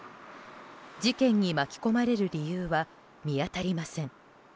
事件に巻き込まれる理由は見当たりません。